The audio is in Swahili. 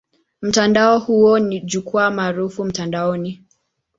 Mtandao huo ni jukwaa maarufu mtandaoni.